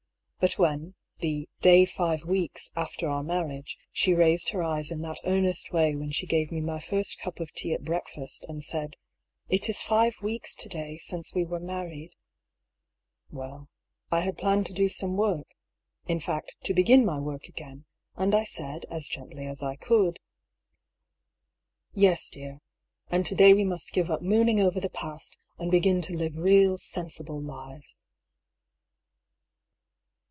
But when, the " day five weeks " after our marriage, she raised her eyes in that earnest way when she gave me my first cup of tea at breakfast, and said :" It is five weeks to day since we were mar ried " Well, I had planned to do some work — in fact, to begin my work again ; and I said, as gently as I could :" Yes, dear ; and to day we must give up mooning over the past, and begin to live real, sensible lives."